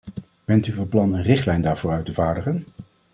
Bent u van plan een richtlijn daarvoor uit te vaardigen?